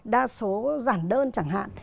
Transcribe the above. đa số giản đơn chẳng hạn